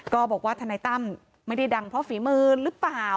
ก็บอกว่าทนายตั้มไม่ได้ดังเพราะฝีมือหรือเปล่า